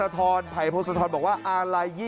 และก็มีการกินยาละลายริ่มเลือดแล้วก็ยาละลายขายมันมาเลยตลอดครับ